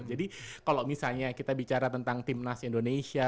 jadi kalau misalnya kita bicara tentang timnas indonesia